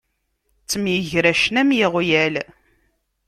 Ttemyegracen am iɣyal.